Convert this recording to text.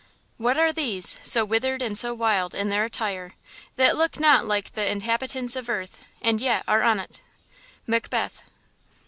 "What are these, So withered and so wild in their attire That look not like th' inhabitants of earth And yet are on't?" –MACBETH.